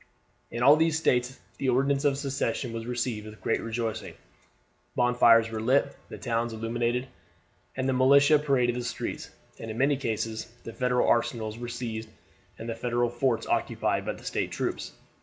In all these States the Ordinance of Session was received with great rejoicing: bonfires were lit, the towns illuminated, and the militia paraded the streets, and in many cases the Federal arsenals were seized and the Federal forts occupied by the State troops.